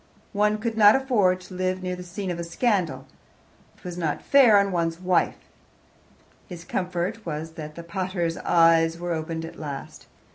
One could not afford to live near the scene of a scandal it was not fair on one's wife. His comfort was that the pater's eyes were opened at last.